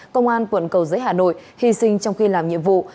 công an quận cầu giấy hà nội hy sinh trong khi làm nhiệm vụ